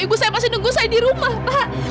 ibu saya masih nunggu saya di rumah pak